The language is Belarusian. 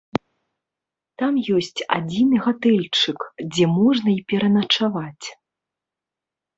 Там ёсць адзіны гатэльчык, дзе можна і пераначаваць.